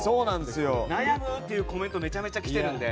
悩むっていうコメントめちゃめちゃ来ているので。